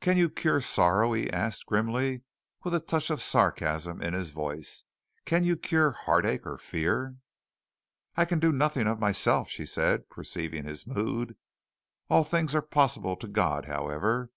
"Can you cure sorrow?" he asked grimly and with a touch of sarcasm in his voice. "Can you cure heartache or fear?" "I can do nothing of myself," she said, perceiving his mood. "All things are possible to God, however.